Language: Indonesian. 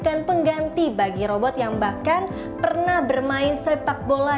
sebagai robot yang mengganti bagi robot yang bahkan pernah bermain sepak bola